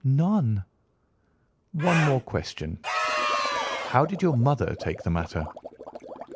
"None." "One more question. How did your mother take the matter?"